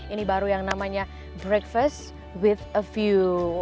ini baru yang namanya breakfast with a view